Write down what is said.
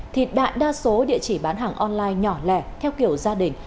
thì đại đa số địa chỉ bán hàng online nhỏ lẻ theo kiểu gia đình